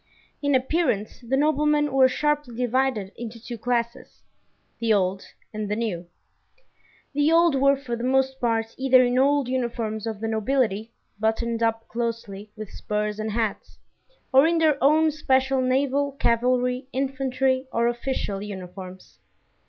In appearance the noblemen were sharply divided into two classes: the old and the new. The old were for the most part either in old uniforms of the nobility, buttoned up closely, with spurs and hats, or in their own special naval, cavalry, infantry, or official uniforms.